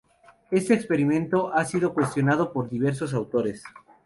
Este experimento ha sido cuestionado por diversos autores.